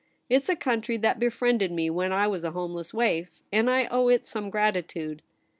'It's a country that befriended me when I was a homeless waif, and I owe it some gratitude.